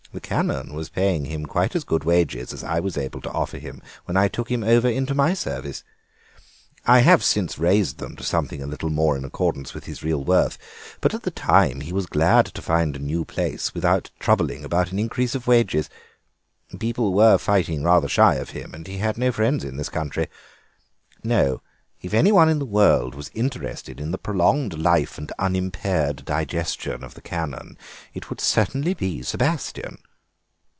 The Canon was paying him quite as good wages as I was able to offer him when I took him over into my service. I have since raised them to something a little more in accordance with his real worth, but at the time he was glad to find a new place without troubling about an increase of wages. People were fighting rather shy of him, and he had no friends in this country. No; if anyone in the world was interested in the prolonged life and unimpaired digestion of the Canon it would certainly be Sebastien."